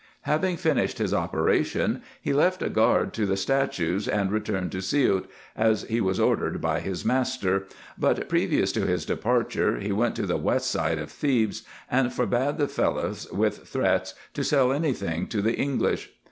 Having finished his operation, he left a guard to the sta tues, and returned to Siout, as he was ordered by his master ; but previous to his departure he went to the west side of Thebes, and forbade the Fellars with threats to sell any tiling to the English.